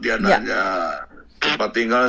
dia nanya tempat tinggal